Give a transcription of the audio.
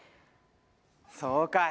そうかい。